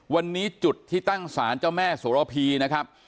วันนี้จุดที่ตั้งศาลเจ้าแม่โสระพีนะครับ